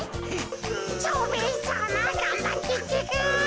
蝶兵衛さまがんばってってか。